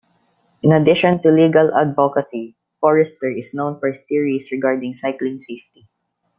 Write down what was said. In addition to legal advocacy, Forester is known for his theories regarding cycling safety.